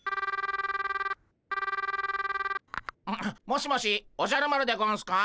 ☎もしもしおじゃる丸でゴンスか？